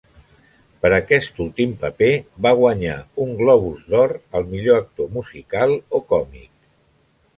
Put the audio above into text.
Per aquest últim paper va guanyar un Globus d'Or al millor actor musical o còmic.